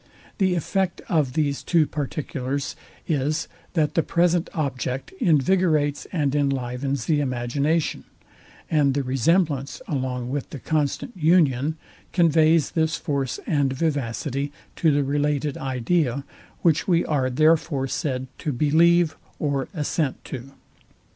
The effect of these two particulars is, that the present object invigorates and inlivens the imagination; and the resemblance, along with the constant union, conveys this force and vivacity to the related idea; which we are therefore said to believe, or assent to.